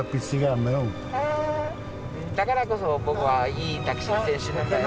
だからこそ僕はいいタクシー運転手なんだよ。